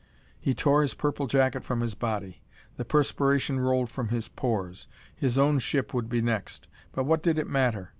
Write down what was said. He tore his purple jacket from his body. The perspiration rolled from his pores. His own ship would be next. But what did it matter?